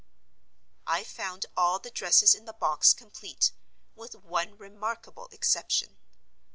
I found all the dresses in the box complete—with one remarkable exception.